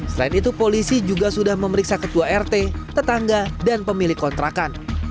selain itu polisi juga sudah memeriksa ketua rt tetangga dan pemilik kontrakan